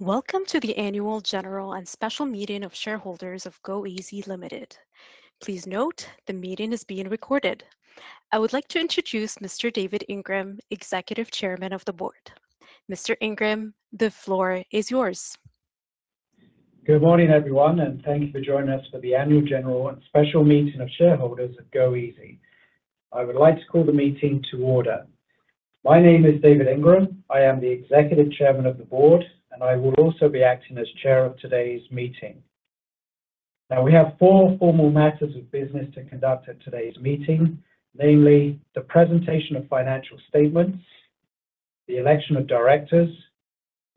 Welcome to the Annual General and Special Meeting of Shareholders of goeasy Ltd. Please note, the meeting is being recorded. I would like to introduce Mr. David Ingram, Executive Chairman of the Board. Mr. Ingram, the floor is yours. Good morning, everyone, thank you for joining us for the Annual General and Special Meeting of Shareholders of goeasy. I would like to call the meeting to order. My name is David Ingram. I am the Executive Chairman of the Board, and I will also be acting as Chair of today's meeting. Now, we have four formal matters of business to conduct at today's meeting, namely the presentation of financial statements, the election of directors,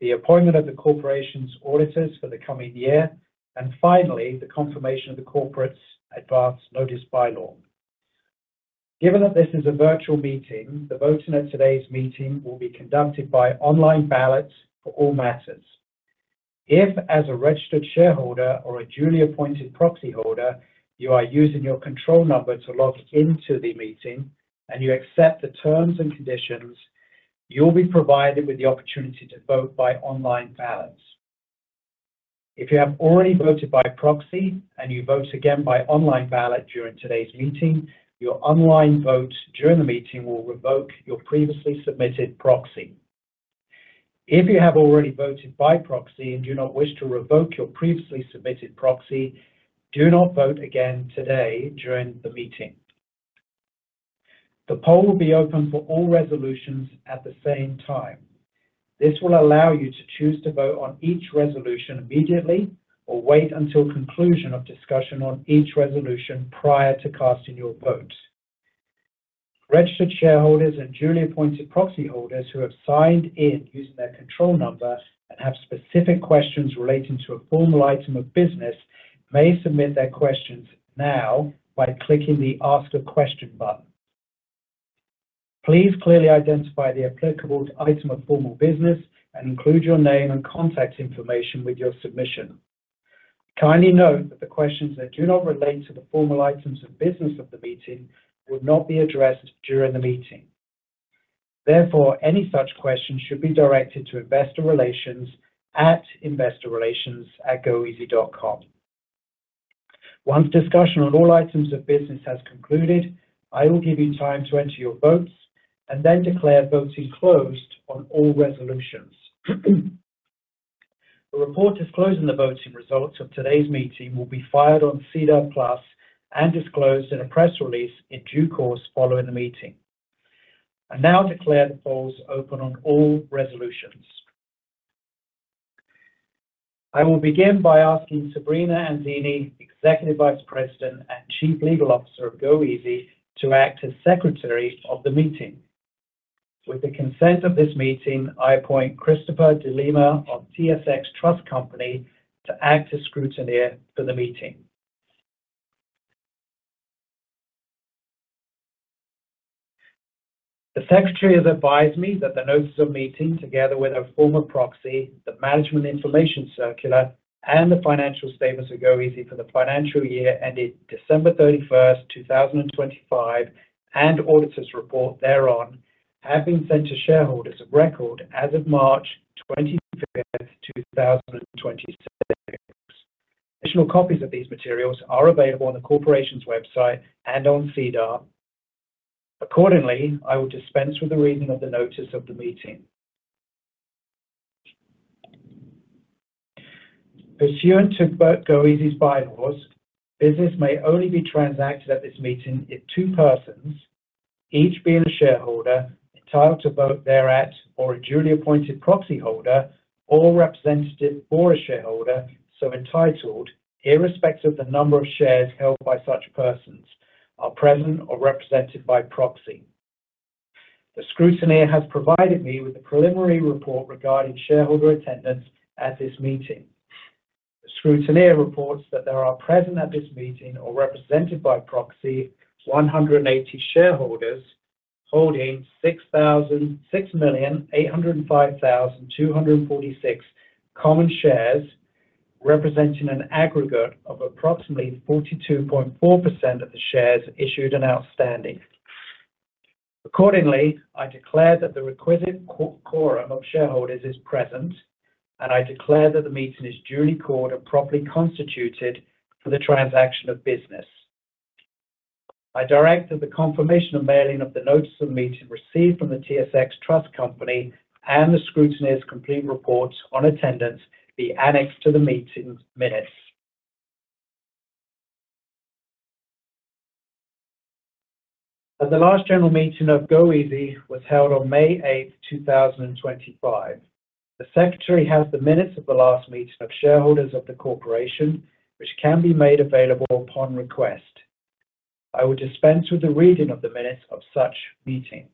the appointment of the corporation's auditors for the coming year, and finally, the confirmation of the corporate's advance notice bylaw. Given that this is a virtual meeting, the voting at today's meeting will be conducted by online ballots for all matters. If, as a registered shareholder or a duly appointed proxyholder, you are using your control number to log into the meeting, and you accept the terms and conditions, you will be provided with the opportunity to vote by online ballot. If you have already voted by proxy and you vote again by online ballot during today's meeting, your online vote during the meeting will revoke your previously submitted proxy. If you have already voted by proxy and do not wish to revoke your previously submitted proxy, do not vote again today during the meeting. The poll will be open for all resolutions at the same time. This will allow you to choose to vote on each resolution immediately or wait until conclusion of discussion on each resolution prior to casting your vote. Registered shareholders and duly appointed proxyholders who have signed in using their control number and have specific questions relating to a formal item of business may submit their questions now by clicking the Ask a Question button. Please clearly identify the applicable item of formal business and include your name and contact information with your submission. Kindly note that the questions that do not relate to the formal items of business of the meeting will not be addressed during the meeting. Therefore, any such questions should be directed to investor relations at investorrelations@goeasy.com. Once discussion on all items of business has concluded, I will give you time to enter your votes and then declare voting closed on all resolutions. A report disclosing the voting results of today's meeting will be filed on SEDAR+ and disclosed in a press release in due course following the meeting. I now declare the polls open on all resolutions. I will begin by asking Sabrina Anzini, Executive Vice President and Chief Legal Officer of goeasy, to act as Secretary of the Meeting. With the consent of this meeting, I appoint Christopher De Lima of TSX Trust Company to act as scrutineer for the meeting. The Secretary has advised me that the notice of meeting, together with a formal proxy, the management information circular, and the financial statements of goeasy for the financial year ended December 31st, 2025, and auditor's report thereon, have been sent to shareholders of record as of March 25th, 2026. Additional copies of these materials are available on the corporation's website and on SEDAR. Accordingly, I will dispense with the reading of the notice of the meeting. Pursuant to goeasy's bylaws, business may only be transacted at this meeting if two persons, each being a shareholder entitled to vote thereat, or a duly appointed proxyholder or representative for a shareholder so entitled, irrespective of the number of shares held by such persons, are present or represented by proxy. The scrutineer has provided me with a preliminary report regarding shareholder attendance at this meeting. The scrutineer reports that there are present at this meeting, or represented by proxy, 180 shareholders holding 6,805,246 common shares, representing an aggregate of approximately 42.4% of the shares issued and outstanding. Accordingly, I declare that the requisite quorum of shareholders is present, and I declare that the meeting is duly called and properly constituted for the transaction of business. I direct that the confirmation of mailing of the notice of the meeting received from the TSX Trust Company and the scrutineer's complete reports on attendance be annexed to the meeting minutes. The last general meeting of goeasy was held on May 8th, 2025. The Secretary has the minutes of the last meeting of shareholders of the corporation, which can be made available upon request. I will dispense with the reading of the minutes of such meeting.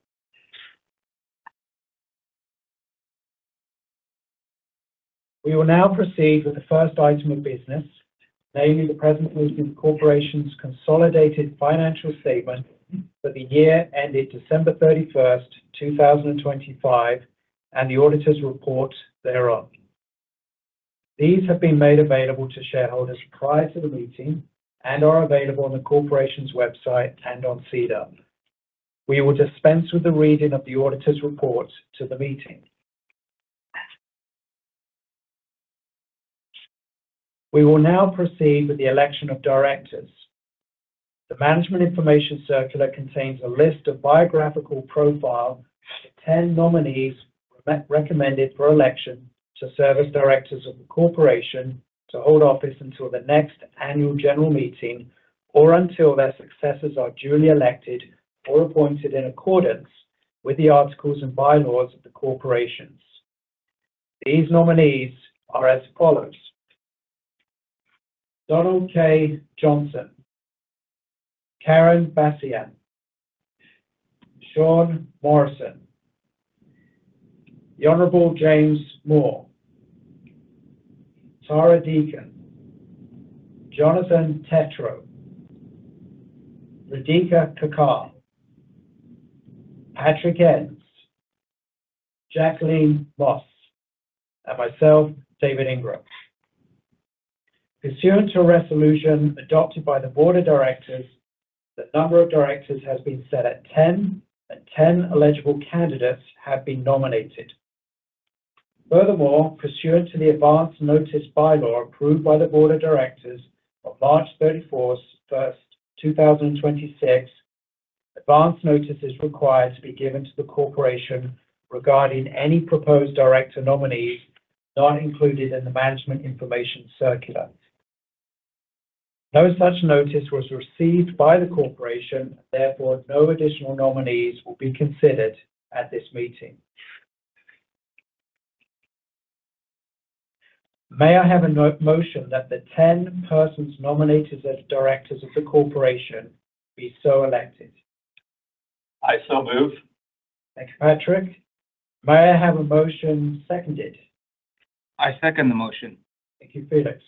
We will now proceed with the first item of business, namely the presentation of the corporation's consolidated financial statement for the year ended December 31st, 2025, and the auditor's report thereon. These have been made available to shareholders prior to the meeting and are available on the corporation's website and on SEDAR. We will dispense with the reading of the auditor's report to the meeting. We will now proceed with the election of directors. The management information circular contains a list of biographical profile of the 10 nominees recommended for election to serve as directors of the corporation to hold office until the next annual general meeting or until their successors are duly elected or appointed in accordance with the articles and bylaws of the corporation. These nominees are as follows: Donald K. Johnson, Karen Basian, Sean Morrison, The Honorable James Moore, Tara Deakin, Jonathan Tétrault, Radhika Kakkar, Patrick Ens, Jacqueline Moss, and myself, David Ingram. Pursuant to a resolution adopted by the board of directors, the number of directors has been set at 10, and 10 eligible candidates have been nominated. Furthermore, pursuant to the advance notice bylaw approved by the board of directors of March 31st, 2026, advance notice is required to be given to the corporation regarding any proposed director nominees not included in the management information circular. No such notice was received by the corporation therefore no additional nominees will be considered at this meeting. May I have a motion that the 10 persons nominated as directors of the corporation be so elected? I so move. Thanks, Patrick. May I have a motion seconded? I second the motion. Thank you, Felix.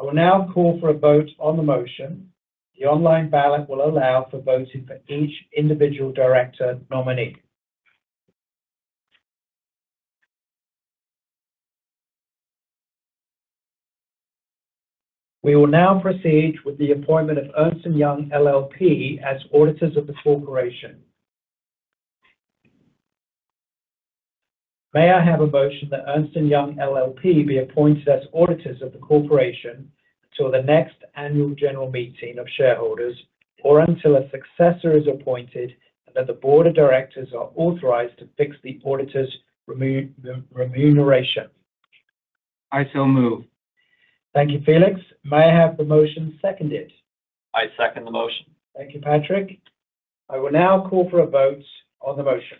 I will now call for a vote on the motion. The online ballot will allow for voting for each individual director nominee. We will now proceed with the appointment of Ernst & Young LLP as auditors of the corporation. May I have a motion that Ernst & Young LLP be appointed as auditors of the corporation until the next annual general meeting of shareholders, or until a successor is appointed, and that the board of directors are authorized to fix the auditor's remuneration? I so move. Thank you, Felix. May I have the motion seconded? I second the motion. Thank you, Patrick. I will now call for a vote on the motion.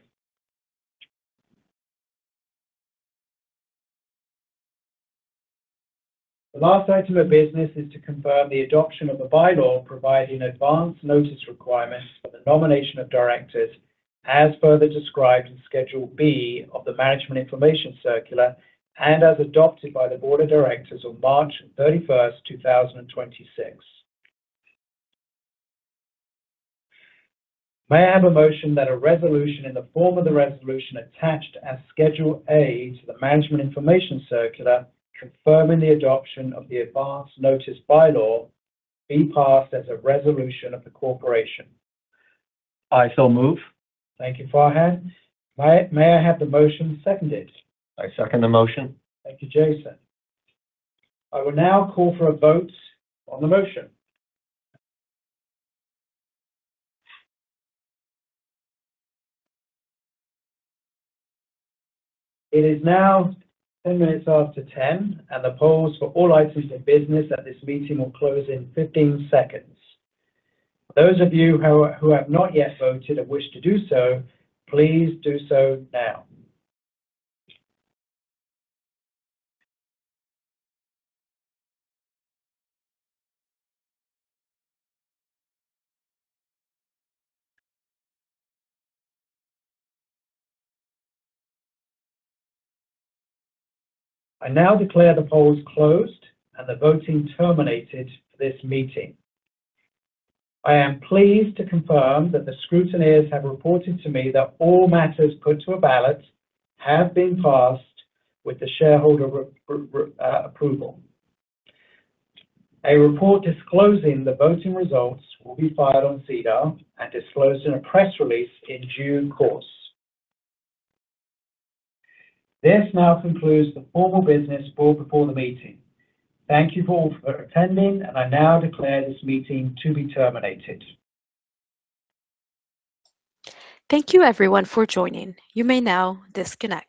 The last item of business is to confirm the adoption of the bylaw providing advance notice requirements for the nomination of directors as further described in Schedule B of the management information circular, and as adopted by the board of directors on March 31st, 2026. May I have a motion that a resolution in the form of the resolution attached as Schedule A to the management information circular confirming the adoption of the advance notice bylaw be passed as a resolution of the corporation? I so move. Thank you, Farhan. May I have the motion seconded? I second the motion. Thank you, Jason. I will now call for a vote on the motion. It is now 10 minutes after 10:00, and the polls for all items of business at this meeting will close in 15 seconds. Those of you who have not yet voted and wish to do so, please do so now. I now declare the polls closed and the voting terminated for this meeting. I am pleased to confirm that the scrutineers have reported to me that all matters put to a ballot have been passed with the shareholder approval. A report disclosing the voting results will be filed on SEDAR and disclosed in a press release in due course. This now concludes the formal business brought before the meeting. Thank you all for attending, and I now declare this meeting to be terminated. Thank you everyone for joining. You may now disconnect.